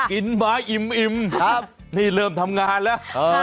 กินมาอิ่มนี่เริ่มทำงานแล้ว